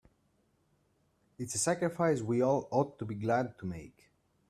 It's a sacrifice we all ought to be glad to make.